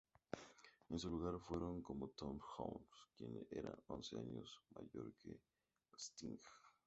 En su lugar, fueron con Tom Jones, quien era once años mayor que Sting.